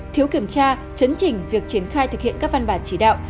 thiếu kiểm tra chấn chỉnh việc triển khai thực hiện các văn bản chỉ đạo